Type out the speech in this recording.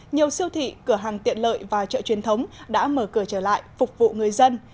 nhiều siêu thị cửa hàng tiện lợi và chợ truyền thống đã mở cửa trở lại phục vụ người dân